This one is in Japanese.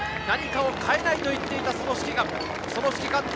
何かを変えたいと言っていた指揮官。